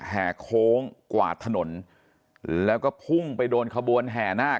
แห่โค้งกวาดถนนแล้วก็พุ่งไปโดนขบวนแห่นาค